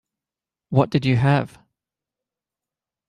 What did you have?